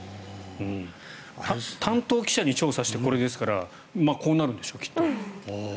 担当記者に調査してこれですからこうなるんでしょう、きっと。